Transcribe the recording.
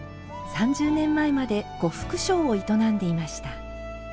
３０年前まで呉服商を営んでいました。